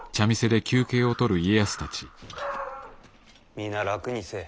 皆楽にせい。